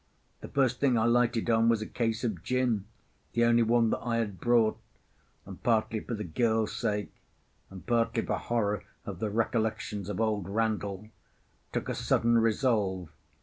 The first thing I lighted on was a case of gin, the only one that I had brought; and, partly for the girl's sake, and partly for horror of the recollections of old Randall, took a sudden resolve.